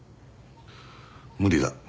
無理だ。